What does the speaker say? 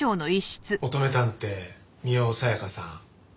乙女探偵深世小夜香さん